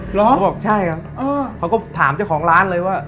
แล้วเขาก็บอกใช่ครับเขาก็ถามเจ้าของร้านเลยว่า